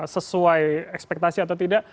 sesuai ekspektasi atau tidak